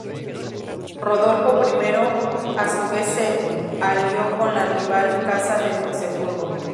Rodolfo I a su vez se alió con la rival casa de Luxemburgo.